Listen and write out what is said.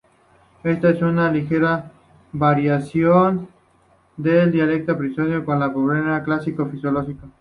Esta es una ligera variación del dilema del prisionero, un problema clásico de filosofía.